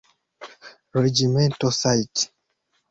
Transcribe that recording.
Regimental Sgt.